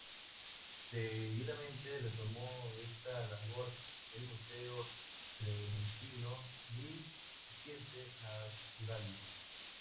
Seguidamente retomó esta labor el "Museo tridentino di scienze naturali".